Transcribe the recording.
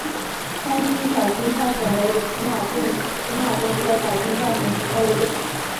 川西小金发藓为土马鬃科小金发藓属下的一个种。